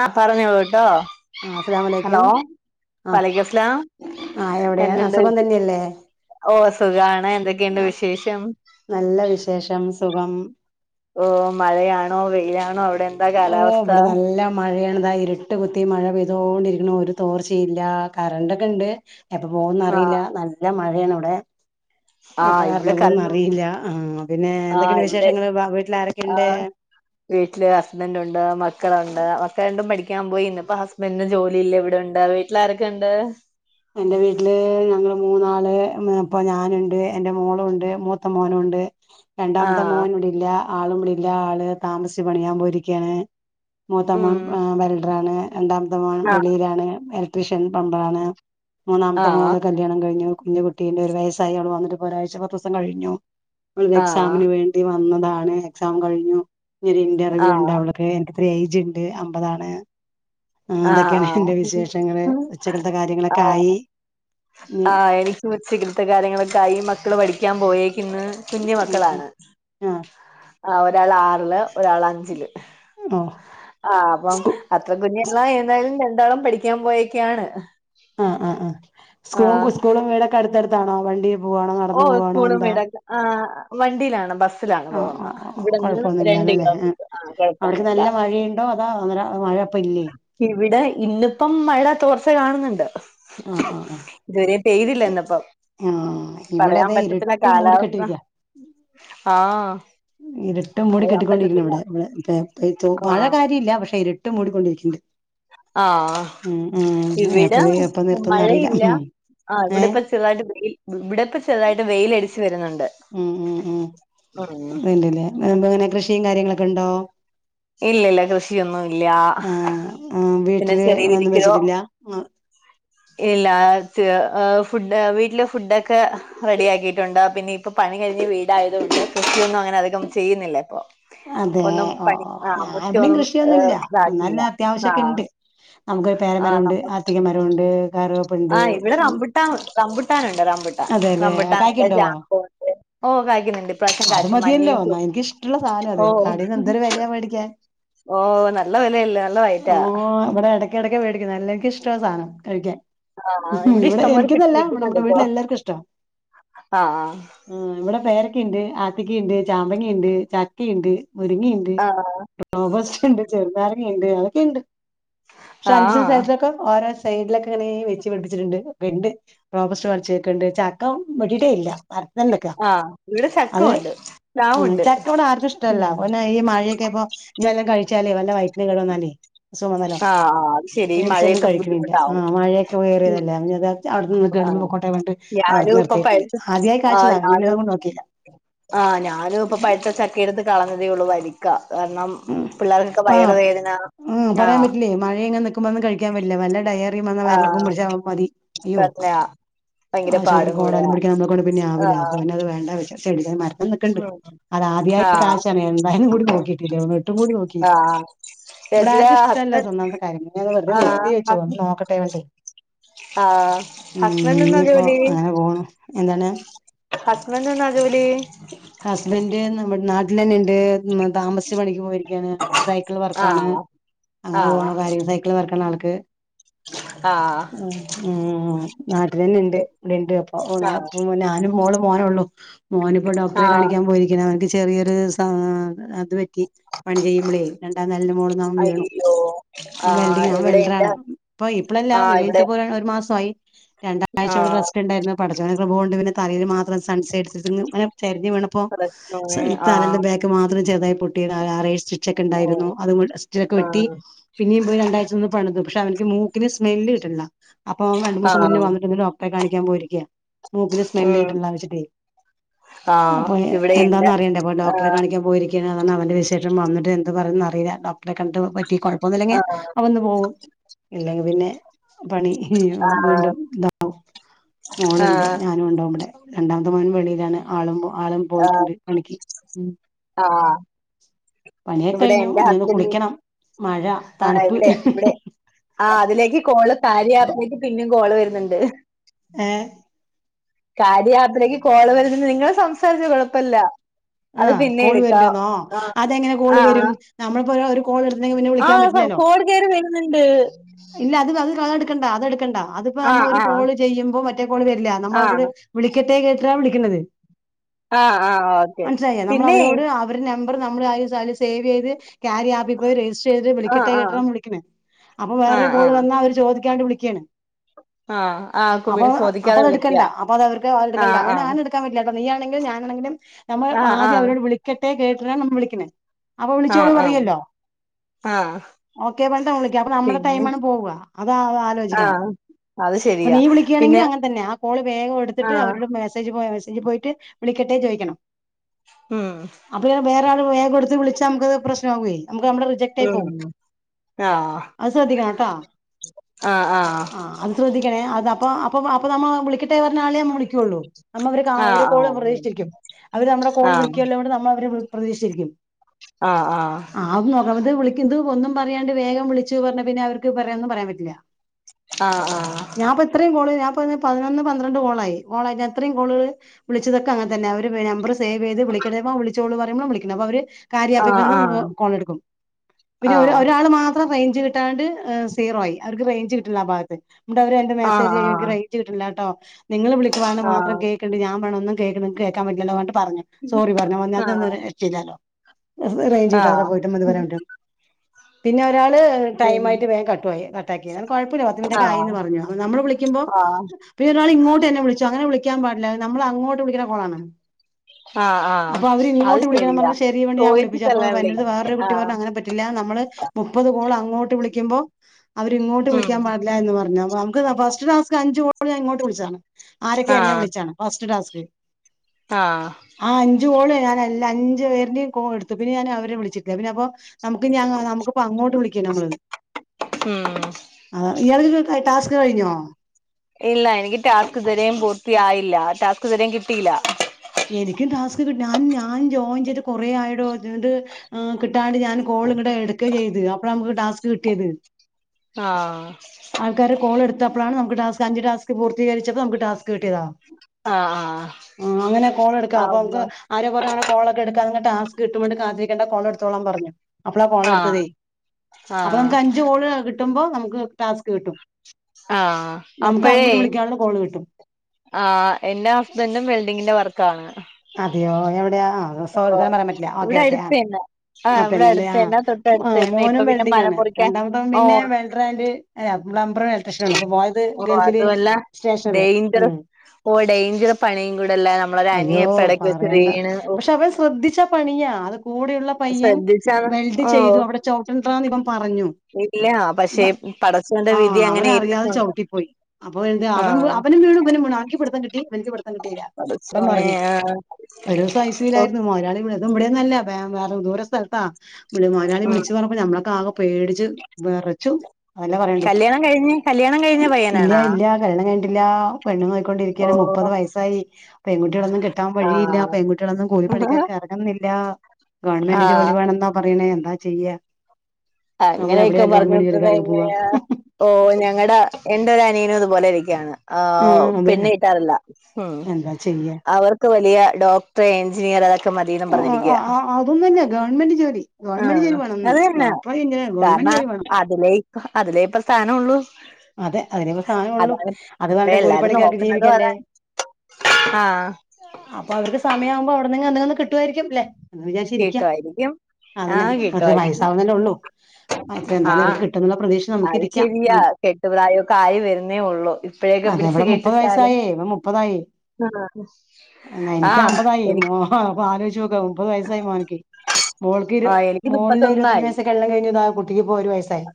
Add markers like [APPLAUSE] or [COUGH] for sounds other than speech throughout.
ആ പറഞ്ഞോളു കേട്ടോ ആ അസ്സലാമലൈക്കും ഹലോ ആ വ അലയ്ക്കും സലാം ആ എവിടെ ആ എന്തുണ്ട് സുഖം തന്നെയല്ലേ ഓ സുഖാണ് എന്തൊക്കെയുണ്ട് ആ വിശേഷം നല്ല വിശേഷം സുഖം ഓ മഴയാണോ വെയിലാണോ അവിടെ എന്താ കാലാവസ്ഥ മഴയണതാ ഇരുട്ട് കുത്തി മഴ പെയ്തോണ്ടിരിക്കണു ഒരു തോർച്ചയില്ല കറണ്ട്ക്കെ ഉണ്ട് എപ്പപോകുന്ന ആ അറിയില്ല നല്ല മഴയാണ് ഇവിടെ ആ എപ്പൊ ഇവിടെ കരണ്ട് പോകുന്ന് കറണ്ട് അറിയില്ല ആ പിന്നെ ആ എന്തൊക്കെയാണ് ഇവിടെ വിശേഷങ്ങള് വീട്ടിൽ ആ ആരൊക്കെയുണ്ട് വീട്ടില് ഹസ്ബൻ റ്റ് ഉണ്ട് മക്കളുണ്ട് മക്കൾ രണ്ടും പഠിക്കാൻ പോയിന്ന് ഇപ്പ ഹസ്ബൻറിന് ജോലി ഇല്ല ഇവിടെണ്ട് വീട്ടിലാരൊക്കെയുണ്ട് എൻറെ വീട്ടില് ഞങ്ങള്ൾ മൂന്നാള് ഇപ്പ ഞാനുണ്ട് എറെ മോളുണ്ട് മൂത്ത മോനുംണ്ട് ആ രണ്ടാമത്തെ മോൻ ഇവിടെ ഇല്ല ആളും ഇവടെ ഇല്ല ആള് താമസിച്ച് പണിയാൻ പോയിരിക്കയാണ് മൂത്ത ഉം മോൻ ബെൽ ഡറാണ് രണ്ടാമത്തെ മോൻ ആ വെളിയിലാണ് ഇലക്ട്രീഷ്യൻ പമ്പറാണ് ആ മൂന്നാമത്തെ മോള് കല്യാണം കഴിഞ്ഞു കുഞ്ഞു കുട്ടീഉണ്ട്ഒരു വയസ്സായി അവൾ വന്നിട്ട് ഒരാഴ്ച പത്ത്ദിവസം കഴിഞ്ഞു അവൾ ആ ആ ഒരുഎക്സാമിന് വേണ്ടി വന്നതാണ് എക്സാം കഴിഞ്ഞു ഇനി ഒരു ഇന്റർവ്യൂ ഉണ്ട് അവിടെ പിന്നെ എനിക്ക്ത്ര ഏജ് ഉണ്ട് അമ്പതാണ് ആ അതൊക്കെയാണ് എന്റെ വിശേഷങ്ങള് ഉച്ചകളത്തെ കാര്യങ്ങളൊക്കെ ആഹ് ആയി ഇനി ആ ഹ്എനി ക്ക് ഉച്ചക്കത്തെ കാര്യങ്ങളൊക്കെയായി മക്കള് പഠിക്കാൻ പോയേക്കുന്ന് കുഞ്ഞി ഉം ഉം മക്കളാണ് ആഹ് ആ ഒരാൾ ആറില് ഒരാള് അഞ്ചില് ഓ ആ അപ്പം സ്കൂ അത്ര കുഞ്ഞ [UNINTELLIGIBLE] ഏന്തായാലും രണ്ടാളും പഠിക്കാൻ പോയേക്കാണ് ആ ഹ് ആഹ് ആഹ് സ്കൂ ആ സ്കൂളും വീടൊക്കെ അടുത്തടുത്താണോ വണ്ടി പോവാണോ ഓ നടന്നു പോവാണോ സ്കൂളും എന്താ വീടൊകെ ആ വണ്ടിയിലാണ് ബസ്സിലാണ് ആഹ് ആഹ് പോകുന്നത് ആഹ് ഇവിടന്ന് രണ്ട് കൊഴപ്പൊന്നുമില്ലാലല്ലേ കിലോമീറ്റർ ആ കുഴപ്പൊന്നുല്ല ടോ അതാ അങ്ങന മഴപ്പില്ലേ ഇവിടെ ഇന്നിപ്പം മഴ തോർച്ച കാണുന്നുണ്ട് ആഹ് ആഹ് ആഹ് ഇതു വരേ പെയ്തില്ല ഓക്കെ ഇന്നിപ്പം ആഹ് ഇവിടെ പറയാൻ അതെ പറ്റത്തില്ല ഇരുട്ട് കാലാവസ്ഥ മൂടിക്കെട്ടിരിക്ക ആഹ് ഇരുട്ടും മൂടി കെട്ടിക്കൊണ്ടിരിക്കാ ഇവിടെ ഇടെ ആ മഴ കാര്യമല്ല പക്ഷെ ഇ ഇരുട്ട് മൂടിക്കൊണ്ടിരിക്കുന്നുണ്ട് ആഹ് ഉം ഉം ഇവിടെ എപ്പ എപ്പ നിർത്തുംന്ന് അറിയില്ല മഴയില്ല ഉം ആ ഏഹ് ഇവിടെപ്പ ചെറുതായിട്ട് വെയിൽ ഇവിടെപ്പം ചെറുതായിട്ട് വെയിയിലടിച്ചു വരുന്നുണ്ട് ഉം ഉം ഉം ഉം ഇണ്ടല്ലേ ഇങ്ങനെ കൃഷിയും കാര്യങ്ങളൊക്കെ ഉണ്ടോ ഇല്ല ഇല്ല കൃഷിയൊന്നും ഇല്ല ആ ആ പിന്നെ വീട്ടില് ചെറിയ ഒന്നും രീതിക്കൊരു വച്ചിട്ടില്ല ഇല്ല ഫുഡ് വീട്ടില് ഫുഡൊക്കെ റെഡി ആക്കിട്ടുണ്ട് പിന്നെ ഇപ്പൊ പണി കഴിഞ്ഞ് വീടായതു കൊണ്ട് കുക്കിങ്ങൊന്നും അങ്ങനെ അധികം ചെയ്യുന്നില്ല ഇപ്പൊ അതെ ഒന്നും ഓഹ് പണി ഓഹ് ആ ഞാൻ ഇവിടയും മുറ്റൊന്നും ഏഹ് കൃഷിയൊന്നുല്ലാ ഇതാക്കിയില്ല എന്നാലും ആ അത്യാവശ്യൊക്കെ ഇണ്ട് നമുക്ക് ഒരു ആ പേരമരം ഉണ്ട് ത്തിക മരോണ്ട് ആ ഇവിടെ റമ്പുട്ടാ റമ്പൂട്ടാനുണ്ട് റമ്പുട്ട അതെല്ലേ റമ്പുട്ടാനൊക്കെ കായ്ക്ക്ണ്ടോ? [UNINTELLIGIBLE] ഓ കഴിക്കുന്നുണ്ട് ഇപ്രാവശ്യം കായ്ച്ചു മഞ്ഞയും ച ട്ടുള്ള സാധനം അത് കടേന്ന് എന്തൊരു വിലയാ മേടിക്കാ ഓഹ് നല്ല വിലയല്ലേ നല്ല ഓ റേറ്റാ ഇവിടെ ഇടക്കെടക്ക് വേടിക്കും നല്ല എനിക്ക് ഇഷ്ടാ സാധനം കഴിക്കാൻ ആ ഉം ഇവിടെ എനിക്കെന്നല്ല ഇവിടെ നമ്മുടെ വീട്ടില് എല്ലാർക്കും ആഹ് ആ ഇവിടെ പേരക്കണ്ട് ആത്തിക്കണ്ട് ചാമ്പക്കയുണ്ട് ചക്കയുണ്ട് മുരിങ്ങയുണ്ട് ആഹ് റോബസ്റ്റ് ഇണ്ട് ചെറുനാരങ്ങ ഇണ്ട് അതൊക്കെ ഇണ്ട് പക്ഷെ ആഹ് [UNINTELLIGIBLE] ഓരൊ സൈഡിലൊക്കെ ഇങ്ങനെ വെച്ച് പിടിപ്പിച്ചിട്ടുണ്ട് ഇണ്ട് റോബസ്റ്റ [UNINTELLIGIBLE] ഇണ്ട് ചക്ക വെട്ടിട്ടേ ഇല്ല വരത്തണ്ടക്ക ആഹ് ഇവിടെ അത് ചക്കയുണ്ട് പ്ലാവുണ്ട് ചക്കവിടെ ആർക്കും ഉം ഇഷ്ടല്ല ഒനാ ഈ മഴയൊക്കെ ഇപ്പോ വല്ലോം കഴിച്ചാലേ വല്ല വൈറ്റിന് കേട് വന്നാലേ [UNINTELLIGIBLE] ആഹ് അത് ശരി ഈ വേടിച്ചൊന്നും മഴയത്ത് കഴിക്കണില്ല ആ ബുദ്ധിമുട്ടാവും മഴയൊക്കെ ഉം വേറിയതല്ലേ അ അവിടെ നിന്ന് കേടന്ന് ആഹ് പൊക്കോട്ടെ പർഞ്ഞിട്ട് അവിടെ ഞാനും ഇപ്പൊ നിർത്തിട്ടുണ്ട് പഴുത്ത ആദ്യായി കായ്ച്ചതാ എങ്ങനെ [UNINTELLIGIBLE] നോക്കില്ല ആ ഞാനും ഇപ്പ പഴുത്ത ചക്ക എടുത്ത് കളഞ്ഞതേള്ളൂ വരിക്ക കാരണം ഉം പിള്ളേർക്കൊക്കെ വയറ് വേദന ആഹ് മഴയിങ്ങ നിക്കുമ്പോ ഒന്നും കഴിക്കാൻ പറ്റില്ല വല്ല ഡയറിയും വന്ന വയറിളക്കും ആഹ് പിടിച്ച മതി അയ്യോ തന്നെയാ ഭയങ്കര പാടും ആശുപത്രിക്കോടാനും കൂടെയാ പിടിക്കാനും നമ്മളെ കൊണ്ട് പിന്നെ ആവില്ല അപ്പ ആഹ് പിന്നെ അത് വേണ്ട വെച്ച് മരത്തെ നിക്കണ്ട് ഉം അത് ആദ്യായിട്ട് ആഹ് കായ്ച്ചാണ് എന്തായും കൂടി നോക്കിട് ട്ടും കൂടി നോക്കില്ല ആഹ് ഇവിടെ രജിത ആർക്കും ഇഷ്ടല്ല ഹസ്ബൻഡ് ഒന്നാത്തെ കാര്യം പിന്നെ അത് ആഹ് നിർത്തി വെച്ച് ഒ ഹസ് നോക്കട്ടെ വേണ്ടി ആഹ് ഉം ഹസ്ബൻഡ് എന്നാ ഇനിയിപ്പോ ജോലി അങ്ങനെ പോണ് എന്താണ് ഹസ്ബന്റിന് എന്താ ജോലി ഹസ്ബൻ്റ് നമ്മുടെ നാട്ടിലന്നെ ഇണ്ട് താമസിച്ച് പണിക്ക് പോയിരിക്കുന്ന് സൈക്കിൾ വർക്കാണ് ആഹ് അങ്ങനെ ആഹ് പോണു കാര്യങ്ങള് സൈക്കിൾ വർക്കാണ് ആൾക്ക് ആഹ് ഉം ഉം നാട്ടിൽ തന്നെ ഇണ്ട് ഇവിടെ ഇണ്ട് അപ്പൊ ഓ ആഹ് ഇപ്പം ഞാനും മോളും മോനേള്ളു മോന് ഇപ്പവിടെ ഡോക്ടറെ ആഹ് കാണിക്കാൻ പോയിരിക്ക്ണ് ഓൻക്ക് ചെറിയൊരു സ അത് പറ്റി പണി ചെയ്യുമ്പളേ രണ്ടാം നെലേൻ്റെ മോളിന്ന് അവൻ വീണു അയ്യോ ഓൻ ആഹ് വെൽഡിഅങ് ഓൻ ഇവിടെ എന്റെ വെൽഡറാണ് ഇപ്പ ഇപ്പളല്ല ആഹ് വീണിട്ട് ഇവിടെ ഇപ്പ ഒര് മാസായി രണ്ടാഴ്ച്ച ഇവിടെ ആഹ് റെസ്റ്റ് ഉണ്ടായിരുന്നു പടച്ചോന്റെ കൃപകൊണ്ട് ഇവൻ്റെ തലയില് മാത്രം സൺസൈഡ് [UNINTELLIGIBLE] ഇങ്ങനെ ചെരിഞ്ഞ് വീണപ്പോ പടച്ചോനെ ആഹ് തലെന്റെ ബാക്ക് മാത്രം ചെറുതായി പൊട്ടിയത ആറ് ഏഴ് സ്റ്റി ച്ചൊക്കെ ഇണ്ടായിരുന്നു ഓഹ് അതും [UNINTELLIGIBLE] വെട്ടി ആഹ് പിന്നെയും പോയി രണ്ടാഴ്ച്ച നിന്ന് പണിതു പക്ഷെ അവനിക്ക് മൂക്കിന് സ്മെല്ല് കിട്ടുന്നില്ല അപ്പം രണ്ടുമൂന്ന് ദിവസം ആഹ് മുന്നേ വന്നിട്ട് പിന്നെ ഡോ ഡോക്ടറെ കാണിക്കാൻ പോയിരിക്കാ മൂക്കിന് സ്മെല് ഉം കിട്ടണില്ലാന്ന് വച്ചിട്ടേ ആഹ് അപ്പ ഇവിടെ എന്റെ എന്താന്ന് അറിയണ്ടേ അപ്പൊ ഡോക്ടറെ ആഹ് കാണിക്കാൻ പോയിരി [UNINTELLIGIBLE] അവന്റെ വിശേഷം വന്നിട്ട് എന്ത് പറയുന്ന അറിയില്ല ഡോക്ടറെ കണ്ട് ടി കുഴപ്പൊന്നില്ലെങ്കി ആഹ് അവൻ ഇന്ന് പോകും ഇല്ലെങ്കി പിന്നെ പണി ഓൻ ആഹ് വീണ്ടും ഇതാവും മോള്ണ്ട് ആഹ് ഞാനുണ്ടാവും ഇവടെ രണ്ടാമത്തെ മോൻ വെളിയിലാണ് ആള് ആള് പോയിട്ടുണ്ട് പണിക്ക് ഉം ആഹ് പണിയൊക്കെ ഇവിടെ കഴിഞ്ഞു എന്റെ ഇനി ഒന്ന് ഹസ്ബൻഡും കുളിക്കണം മഴ ആഹ് തണുപ്പ് എവിടെ ഇവിടെ ആഹ് അതിലേക്ക് കോള്! ! ! ! ! ! ! ! ! ! പിന്നും കോള് വര്ന്ന്ണ്ട്. ഏഹ് ! ! ! ! ! ! ! ! ! ! കോള് വര്ന്ന് നിങ്ങള് സംസാരിച്ചോ കൊഴപ്പല്ല. ആഹ് കോള് വര്ണ്ട്ന്നോ ആഹ് അതെങ്ങനെ കോള് വെരും ആഹ് നമ്മളിപ്പോ ഒര് കോൾ എട്ത്തെങ്കിൽ പിന്നെ വിളിക്കാൻ ആഹ് പറ്റില്ലല്ലോ. കോള് കേറി വരുന്നുണ്ട് ഇല്ല അത് അത് [UNINTELLIGIBLE] ട്ക്കണ്ട അതെട്ക്കണ്ട അത്പ്പോ നമ്മ ആഹ് ഒരു ആഹ് കോള് ചെയ്യുമ്പോ മറ്റേ കോള് വരില്ല ആഹ് നമ്മളവരോട് വിളിക്കട്ടേ കേട്ടാ വിളിക്ക്ണത്. ആഹ് ആഹ് ഓക്കെ പിന്നെ ഒര് നമ്പർ നമ്മളാദ്യം [UNINTELLIGIBLE] സേവെയ്ത്! ! ! ! ! ! ! ! ! ! ഇപ്പോ രജിസ്റ്ററെയ്ത് ആഹ് വിളിക്കട്ടെ ആഹ് കേട്ട്രാണ് വിളിക്ക്ണേ അപ്പൊ വേറെ ആഹ് കോൾ ആഹ് വന്നാ അവര് ചോദിക്കാണ്ട് വിളിക്കെണ്. ആഹ് ആഹ് കുമി അപ്പൊ ചോദിക്കാതെ വിളിക്കുക അപ്പത്ട്ക്കണ്ട അപ്പ അത് അവർക്ക് അത്ട്ക്കണ്ട ആഹ് അങ്ങനെ ആഹ് [UNINTELLIGIBLE] ക്കാൻ പറ്റില്ലട്ടാ നീയാണെങ്കിലും ഞാനാണെങ്കിലും നമ്മൾ ആഹ് ആദ്യം ആഹ് അവരോട് വിളിക്കട്ടെ കേട്ടിട്ടാണ് നമ്മളെ വിളിക്ക്ണേ അപ്പൊ ആഹ് വിളിച്ചോളു ആഹ് പറയൊല്ലോ ആഹ് ഓക്കെ പറഞ്ഞിട്ടാണ് വിളിക്കാ അപ്പൊ നമ്മളെ പിന്നെ ടൈമാണ് പോവ്വാ അത് [UNINTELLIGIBLE] ആലോചിക്കണം ആഹ് അത് പ്പൊ ശരിയാ നീ പിന്നെ വിളിക്കിണെങ്കിലും അങ്ങനെ തന്നെ ആ കോള് വേഗം എട്ത്ത്ട്ട് ആഹ് അവരോട് മെസേജ് പോയ മെസേജ് പോയിട്ട് വിളിക്കട്ടെ ചോയിക്കണം. ഉം അപ്പോ വേറൊരാള് വേഗെടുത്ത് വിളിച്ചാ നമക്കത് പ്രശ്നാവേ നമക്ക് നമ്മടെ റിജ ഉം ക്ടായിപ്പോകും ആഹ് അത് ശ്രദ്ധിക്കണം ട്ടോ ആഹ് അത് ശ്രദ്ധിക്കണേ അത് അപ്പൊ അപ്പൊ അപ്പൊ നമ്മളാ വിളിക്കട്ടേ പർഞ്ഞാണ്ട് നമ്മൾ വിളിക്കൊള്ളൂ. നമ്മൾ അവര് ക്കാ അവര് ആഹ് കോള് പ്രതീക്ഷിച്ചിരിക്കും അവര് നമ്മളെ കോള് ആഹ് വിളിക്കല്ലോ ങ്ങട്ട് നമ്മൾ അവരെ പ്രതീക്ഷിച്ച് രിക്കും. ആഹ് ആഹ് ആദ്യം നമ്മൾത് വിളിക്കിത് ഒന്നും പറയാണ്ട് വേഗം വിളിച്ചു പർഞ്ഞ പിന്നെ അവർക്ക് പറയാനൊന്നും പറയാൻ പറ്റില്ല. ആഹ് ആഹ് ഞാപ്പോ ഇത്രയും കോള് ഞാപ്പോ പതിനൊന്ന് പന്ത്രണ്ട് കോളായി കോളായിട്ട് ഞാൻ ഇത്രയും കോളുകൾ വിളിച്ചതൊക്കെ അങ്ങൻതന്നെ അവര് നമ്പർ സേവ് ചെയ്ത് വിളിക്കട്ടെ പ്പൊ ആഹ് വിളിച്ചോളു പറയുമ്പം വിളിക്കുന്നു അപ്പൊ ആഹ് ആഹ് ആഹ് അവര് ! ! ! ! ! ! ! ! ! ! കോളെട്ക്കും പിന്നെ ഒ [UNINTELLIGIBLE] ഒരാൾ മാ ത്ര റെയ്ഞ്ച് കിട്ടാണ്ട് എഹ് സീറോയി അവർക്ക് റെയ്ഞ്ച് കിട്ട്ണില്ല ആ ഭാഗത്ത് ഇന്നട്ട് അവര് എനിക്ക് ആഹ് ആഹ് മെസേജ് ആഹ് ഇൻക്ക് റെയ് ഞ്ച് കിട്ട്ണില്ലാട്ടോ നിങ്ങള് വിളിക്കുമ്പാണ്ട് മാത്രം കേക്ക്ണ്ട് ഞാം പറിണൊന്നും കേക്ക്ണ് ങ്ങക്ക് കേൾക്കാൻ പറ്റില്ലല്ലോ ന്നട്ട് പർഞ്ഞ്. സോറി പറഞ്ഞു ആഹ് [UNINTELLIGIBLE] റെയ്ഞ്ച് ആഹ് കിട്ടാതെ [UNINTELLIGIBLE] പോയിട്ട് [UNINTELLIGIBLE] പിന്നെ ഒരാള് ടൈമായിട്ട് വേഗം കട്ടായി കട്ടാക്കിയത് അത് കൊഴപ്പല്ല പത്ത് ആഹ് മിനിറ്റൊക്കായിന്ന് ആഹ് പറഞ്ഞു നമ്മൾ വിളിക്കുമ്പോ ആഹ് പിന്നെ ഒരാളിങ്ങോട്ടെന്നെ വിളിച്ചു അങ്ങനെ വിളിക്കാൻ പാടില്ല നമ്മളങ്ങോട്ട് വിളിക്ക്ണ കോളാണ്. ആഹ് ആഹ് അപ്പൊ അത് അവരിങ്ങോട്ട വിളിക്കണന്ന് ശരിയാ പർഞ്ഞപ്പോ ശെരി ഞാൻ വിളിപ്പിച്ചു അപ്പൊ ചോയിച്ചിട്ടല്ലേ വ എൻ്റെടുത്ത് വിളിക്കുന്നെ വേറെരു കുട്ടി ആഹ് പർഞ്ഞു അങ്ങനെ പ റ്റില്ല നമ്മള് മുപ്പത് കോൾ അങ്ങോട്ട് വിളിക്കുമ്പം അവരിങ്ങോട്ട് ഉം വിളിക്കാൻ പാടില്ല എന്ന് പറഞ്ഞു നമക്ക്പ്പൊ ഫസ് ഫറ്റ് ടാസ്ക് അഞ്ച് കോൾ ഞാന് ഇങ്ങോട്ട് വിളിച്ചതാണ് ആരൊക്കെ എന്നെ ആഹ് വിളിച്ചാണ് ഫസ്റ്റ് ടാസ്ക് ആഹ് ആഹ് അഞ്ചു കോള് ഞാനെല്ലാ അഞ്ചു പേര്ൻ്റിം കോള്ട്ത്ത് പിന്നെ ഞാന് അവരെ വിളിച്ചിട്ടില്ല പിന്നെ അപ്പൊ നമക്ക് ഞാങ്ങ നമക്ക്പ്പങ്ങോട്ട് വിളിക്ക നമ്മളത് ഉം ആഹ് ഇയാൾക്ക് ടാസ്ക് കഴിഞ്ഞോ? ഇല്ല എനിക്ക് ടാസ്ക് ഇതെരേം പൂർത്തിയായില്ല ടാസ്ക് തരെം കിട്ടിയില്ല. ഇൻക്കും ടാസ്ക് കി ഞാൻ ഞാൻ ജോയിൻ ചെയ്ത് കൊറെ ആയെടോ [UNINTELLIGIBLE] ആഹ് കിട്ടാണ്ട് ഞാൻ കോള് ങ്ങട്ട് എട്ക്കേം ചെയ്ത് അപ്പഴാ നമക്ക് ടാസ്ക് കിട്ടിയത്. ആഹ് ആൾക്കാര കോള്ട്ത്തപ്പളാണ് നമക്ക് ടാസ് അഞ്ച് ടാസ്ക്ക് പൂർത്തീകരിച്ചപ്പോ നമക്ക് ടസ് കിട്ട്യതാ ആഹ് ആഹ് ഇങ്ങനെ കോളെട്ക്കണം അപ്പൊ ആഹ് നമക്ക് ആരെപറ [UNINTELLIGIBLE] കോളക്കേ എടുക്കാ അങ്ങ ടാസ്ക് കിട്ടുമോണ്ട് കാത്തിരിക്കണ്ട കോൾ എട്ത്തോളാ പറഞ്ഞു അപ്പളാ കോള എടുത്തതേ ആഹ് അപ്പൊ ആഹ് നമുക്ക് അഞ്ച് കോള് കിട്ടുമ്പോ നമുക്ക് ടാസ്ക് കിട്ടും ആഹ് നമുക്ക് അപ്പഴേ അങ്ങോട്ട് വിളിക്കാനുള്ള കോള് കിട്ടും ആഹ് എന്റെ ഹസ്ബൻഡും വെൽഡിങ്ങിന്റെ വർക്കാണ് അതെയോ എവിടെയാ ഓഹ് സോൻ പറയാൻ പറ്റില്ല ഓക്കെ ഇവിടെ ഓക്കേ അടുത്ത് ആഹ് തന്നെ ആഹ് ഇവിടെ തന്നെല്ലേ അടുത്ത് ആഹ് തന്നെ തൊട്ടടുത്ത് ആഹ് തന്നെ ഇപ്പൊ മോനും പിന്നെ വെൽഡിംഗ മരം ആണ് മുറിക്കാൻ രണ്ടാമത്തെ പിന്നെ ഓഹ് വെൽഡ്രാൻഡറ് പ്ലംബറും എട്രഷനണ് അപ്പൊ പോയത് ഓ ഗൾഫില് സ്റ്റേഷൻ ഉം ഓഹ് ഡേയ്ഞ്ചർ പണിയും കൂടെല്ല നമ്മള അയ്യോ പറയണ്ട പക്ഷെ അവ ശ്രദ്ധിച്ച പണിയാ അത് കൂടെള്ള പയ്യൻ ശ്രദ്ധിച്ചാന്ന് വെൽഡ് ഓ ചെയ്തു അവിടെ [UNINTELLIGIBLE] ഇവൻ പറഞ്ഞു ഇല്ല പക്ഷെ പടച്ചോന്റെ വിധി ആഹ് അങ്ങനെ അവനറിയാതെ ഇരുന്നിട്ടുണ്ട് ചവിട്ടിപ്പോയി അപ്പൊ എന്ത് അവൻ ആഹ് അവനും വീണു ഇവനും വീണു ആക്ക്‌ പിടിത്തൻ കിട്ടി ഇവന്ക്ക് പിടിത്തം കിട്ടില്ല അപ്പം മറിഞ്ഞു ആഹ് ആഹ് ഓരോ ഓ സൈസ്സിലായിരുന്നു മ ഒരാളി ഇവിടെ അതും ഇവിടെന്നല്ല വേറെ ദൂര സ്ഥലത്താ മലയാളി ഉം വിളിച്ചു പറഞ്ഞമ്പ നഞമ്മളൊക്കെ ആകെ പേടിച്ച് വിറച്ചു അതെല്ലാം പറയണ്ടു കല്യാണം കഴിഞ്ഞ് കല്യാണം കഴിഞ്ഞ ഇല്ല പയ്യനാണാ ഇല്ല കല്യാണം കഴിഞ്ഞിട്ടില്ല വെണ് ഓ നോയിക്കൊണ്ടിരിക്കയ മുപ്പത് വയസ്സായി പെൺകുട്ടികളൊന്നും കിട്ട വഴിയില്ല ആഹ് പെൺകുട്ടികളൊന്നും കൂലി പണിക്കാർക്ക് എറങ്ങന്നില്ല ഗവൺമെന്റ് ജോലി ആഹ് വേണം പറീണേ എന്താ ചെയ്യ അങ്ങനെയൊക്കെ പറഞൊണ്ടിരുന്ന ജോലിക്കാർക്ക് പോവാ എങ്ങനെയാ ഓഹ് ഞങ്ങടെ എന്റെര അന്യനും അതുപോലെ ഇരിക്കയാണ് ആഹ് പെണ്ണ് കിട്ടാറില്ല എന്താ ചെയ്യാ അവർക്ക് വലിയ ഡോക്ടറെ എഞ്ജിനിയയർക്കെ ആഹ് അതൊന്നല്ല ഗവൺമെന്റ് ജോലി ഗവമെന്റ് ജോലി ആഹ് വേണംന്ന് അത് തന്നെ ഡോക്ടറവ അതിലേ അതിലേ ഇപ്പ സ്ഥാനം ഉള്ളൂ അതെ അതിനി ഇപ്പോ സ്ഥാനം ഉള്ളു അത് പറഞ്ഞിട്ട് എല്ലാരും കൂലിപ്പണിക്കാർക്ക് നോക്കുന്നതും ജീവിക്കേണ്ടേ അതാണ് ആഹ് അപ്പൊ അവർക്ക് സമയമാവുമ്പോ അവിടനിെ അന്തെങ്ങന്ന് കിട്ടുവായിരിക്കുംല്ലെ എന്ന് വിചാരിച്ചരിക്കാം കിട്ടുവായിരിക്കും അതിനെ ആഹ് ഒ കിട്ടുവായിരിക്കും പയസാവുന്നല്ലേ ഉള്ളൂ അത്ര എന്തായാലും അവർക്ക് കിട്ടുന്നുുള്ള പ്രദേശം നമുക്ക് ഇരിക്കാം കെട്ടുപ്രായൊക്കെ ആയി വരുന്നേ ഉള്ളൂ ഇപ്പോഴേക്കെ അതെ പിടിച്ച് ഇവിടെ മുപ്പത് കെട്ടിച്ചാലും വയസായേ ഇ മുപ്പതായി ആഹ് ആഹ് എനി ആ പ്പ ആലോയ്ചോക മുപ്പത് വയസ്സായ് മോൻക്ക്. മോൾക്ക് ഇരു ആഹ് എനിക്ക് മോളിലെ ഇരുപത്തഞ്ച് മുപ്പത്തൊന്നായി വയസ്സ് കല്യാണം കഴിഞ്ഞ്താ കുട്ടിക്കിപ്പോ ഒരു വയസ്സായി.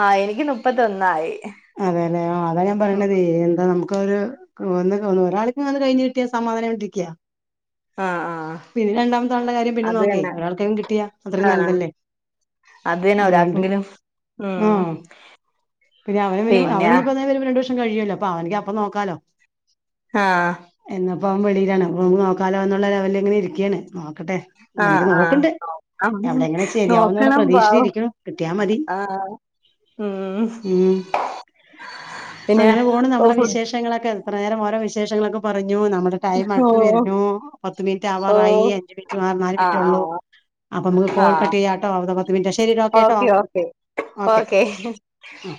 ആഹ് എനിക്ക് മുപ്പത്തൊന്നായി. അതെലേ, അതാ ഞാപറയ്ണത് എന്താ നമുക്കൊരു. ഒന്ന ഒരാൾക്കും കഴിഞ്ട്ടിയാ സമാധാനായിട്ടിരിക്ക്യാ. ആഹ് ആഹ്. പിന്നെ രണ്ടാമവണണ്ടത്താൾടെ കാര്യം പിന്നെ അത് നോക്കേയ് തന്നെ ഒരാൾക്കേലും കിട്ടിയാ അത്രീം നല്ലത്ല്ലേ. അതേന്നെ ഒരാൾക്കെങ്കിലും ആ ഉം. പിന്നെ അവന് പിന്നെ അവൻഞിപ്പൊരണ്ടു വർഷം കഴിയല്ലോ അപ്പൊ അവൻക്ക് അപ്പൊ നോക്കാലോ. ആഹ്. എന്നപ്പോവൻ വെളിയിലാണ് പങ്ങ് നോക്കാലോ എന്നുള്ള ലെവൽങ്ങനെ ഇരിക്ക്യാണ്. ക്കട്ടെ ആഹ് മെനക്ക് നോക്ക്ണ്ട് ആഹ് നോക്കാം എവിടെങ്കിലും ശരിയാവുംന്നുള്ള നോക്കണം പാവം പ്രതീക്ഷിച്ചിരിക്ക്ണ്, കിട്ട്യാ മതി. ആഹ് ഉം. ഉം പിന്നെ അങ്ങനെ പോണ് ഓ നമ്മടെ ഫുഡ് വിശേഷങ്ങളൊക്കെ. റേനേരം ഓരെവിശേഷങ്ങളൊക്കെ പറഞ്ഞു, നമ്മടെ ഓ ടൈമടുത്ത് വര്നു, പത്ത് ഓ മിൻറ്റാവാറായി അഞ്ച്മിൻറ്റ് ആ നാല് മിൻറ്റേ ആഹ് ഒള്ളു. ആഹ് അപ്പൊമുക്ക് കോൾ ആഹ് കട്ടെയ്യാട്ടോ അതാ പത്ത് മിൻറ്റാ. ശരിട്ടൊ ഓക്കെട്ടോ ഓക്കെ ഓക്കെ ഓക്കെ. ആഹ്.